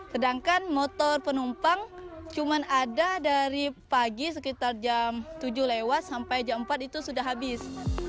sedangkan motor penumpang cuma ada dari pagi sekitar jam tujuh lewat sampai jam empat itu sudah habis